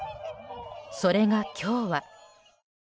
それが今日は。